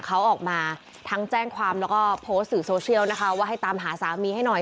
เขาออกมาทั้งแจ้งความแล้วก็โพสต์สื่อโซเชียลนะคะว่าให้ตามหาสามีให้หน่อย